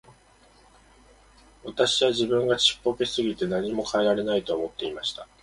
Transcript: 私は自分がちっぽけすぎて何も変えられないと思っていました。